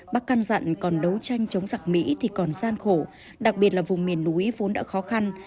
bác căn dặn còn đấu tranh chống giặc mỹ thì còn gian khổ đặc biệt là vùng miền núi vốn đã khó khăn